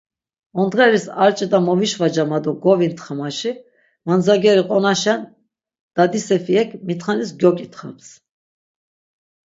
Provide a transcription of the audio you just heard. Ondğeris ar ç̆it̆a movişvaca ma do govintxa maşi mandzageri qonaşen dadi Sefiyek mitxanis gyok̆itxaps.